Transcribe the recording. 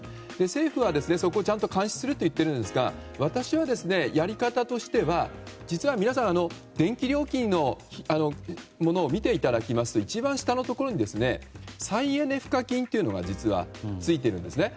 政府は、そこをちゃんと監視すると言っているんですが私は、やり方としては実は皆さん電気料金表を見ていただきますと一番下のところに再エネ賦課金というのが実はついているんですね。